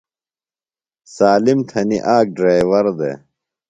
سالِم تھنیۡ آک ڈریور دےۡ۔